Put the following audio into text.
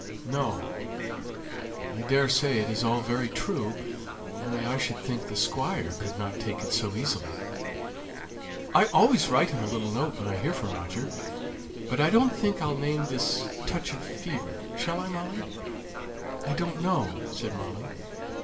"No. I daresay it is all very true; only I should think the Squire could not take it so easily." "I always write him a little note when I hear from Roger, but I don't think I'll name this touch of fever shall I, Molly?" "I don't know," said Molly.